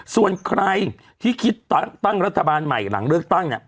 ส่วนใครที่คิดตั้งรัฐบาลใหม่หลังเลือกตั้งเนี่ย